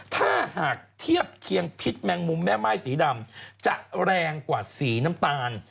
ถ้าหากเทียบเคียงพิษแมงมุมแม่ม่ายสีดำจะแรงกว่าสีน้ำตาล